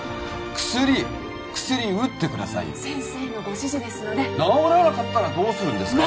薬薬打ってください先生のご指示ですので治らなかったらどうするんですか